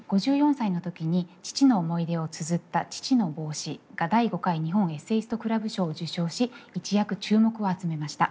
５４歳の時に父の思い出をつづった「父の帽子」が第５回日本エッセイスト・クラブ賞を受賞し一躍注目を集めました。